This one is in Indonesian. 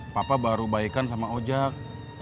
papa baru baikan sama ojek